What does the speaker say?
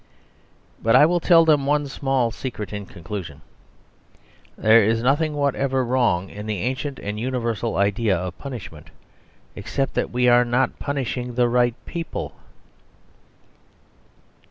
But I will tell them one small secret in conclusion. There is nothing whatever wrong in the ancient and universal idea of Punishment except that we are not punishing the right people.